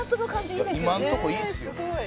今のとこいいですよ。